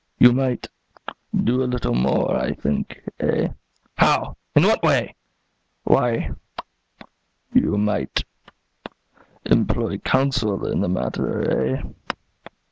You might do a little more, I think, eh?" "How? in what way?" "Why puff, puff you might puff, puff employ counsel in the matter, eh?